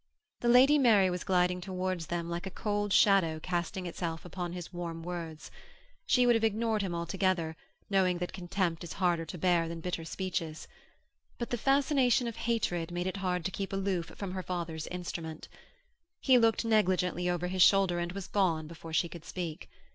The Lady Mary was gliding towards them like a cold shadow casting itself upon his warm words; she would have ignored him altogether, knowing that contempt is harder to bear than bitter speeches. But the fascination of hatred made it hard to keep aloof from her father's instrument. He looked negligently over his shoulder and was gone before she could speak.